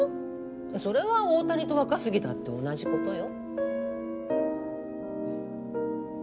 それは大谷と若杉だって同じことよ。